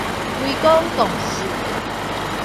雷公摃死